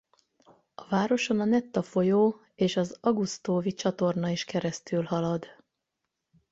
A városon a Netta folyó és az Augustówi-csatorna is keresztülhalad.